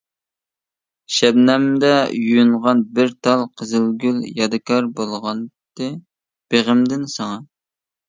شەبنەمدە يۇيۇنغان بىر تال قىزىلگۈل، يادىكار بولغانتى بېغىمدىن ساڭا.